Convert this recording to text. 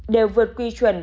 đều vượt quy chuẩn